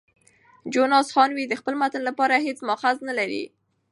جوناس هانوې د خپل متن لپاره هیڅ مأخذ نه لري.